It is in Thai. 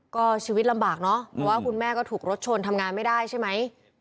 ก็ชีวิตลำบากเนอะเพราะว่าคุณแม่ก็ถูกรถชนทำงานไม่ได้ใช่ไหม